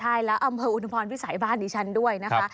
ใช่แล้วอำเภออุทุมพรวิสัยบ้านดิฉันด้วยนะคะ